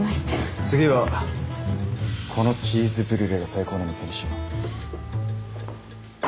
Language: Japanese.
次はこのチーズブリュレが最高の店にしよう。